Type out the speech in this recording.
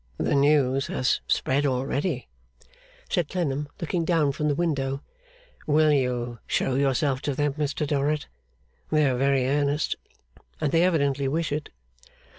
'The news has spread already,' said Clennam, looking down from the window. 'Will you show yourself to them, Mr Dorrit? They are very earnest, and they evidently wish it.